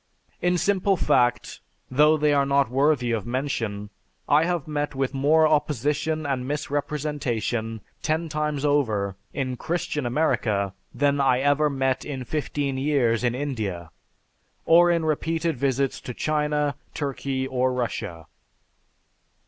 In simple fact, though they are not worthy of mention, I have met with more opposition and misrepresentation, ten times over, in 'Christian' America, than I ever met in fifteen years in India, or in repeated visits to China, Turkey, or Russia."